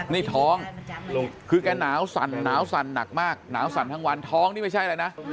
นี่ท้องคือแกหนาวสั่นหนาวสั่นหนักมากหนาวสั่นทั้งวันท้องนี่ไม่ใช่อะไรนะ